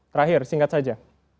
terakhir singkat saja